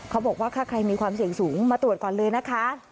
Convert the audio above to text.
เขาบอกว่าถ้าใครมีความเสี่ยงสูงมาตรวจก่อนเลยนะคะ